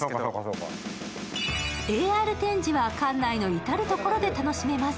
ＡＲ展示は館内の至る所で楽しめます。